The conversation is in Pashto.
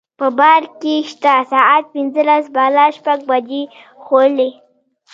په بار کې شته ساعت پنځلس بالا شپږ بجې ښوولې.